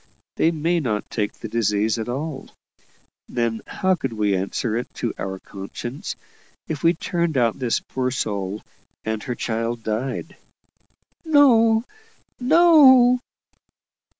They may not take the disease at all. Then, how could we answer it to our conscience if we turned out this poor soul, and HER child died?" "No! no!"